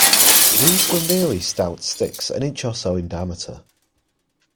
These were merely stout sticks an inch or so in diameter.